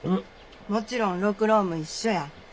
もちろん六郎も一緒や。